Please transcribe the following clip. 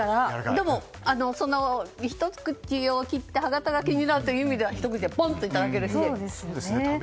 でも、ひと口を食べて歯形が気になるという意味ではひと口でいただけるし。